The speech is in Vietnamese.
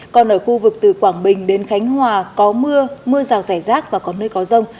còn ở khu vực từ quảng bình đến khánh hòa có mưa mưa rào rải rác và có nơi có rông